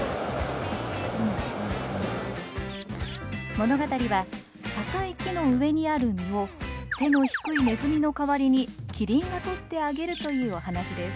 物語は高い木の上にある実を背の低いネズミの代わりにキリンがとってあげるというお話です。